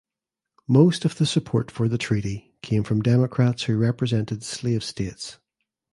Most of the support for the treaty came from Democrats who represented slave states.